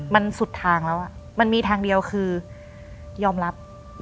มันสุดทางแล้วมันมีทางเดียวคือยอมรับ